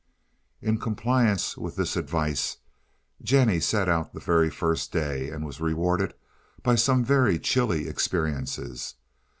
In compliance with this advice, Jennie set out the very first day, and was rewarded by some very chilly experiences.